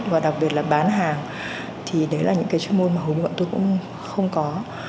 và đặc biệt là bán hàng thì đấy là những cái chuyên môn mà hầu như bọn tôi cũng không có